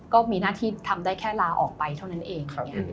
ก็มีหน้าที่ทำได้แค่ลาออกไปเท่านั้นเอง